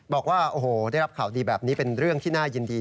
บอกว่าโอ้โหได้รับข่าวดีแบบนี้เป็นเรื่องที่น่ายินดี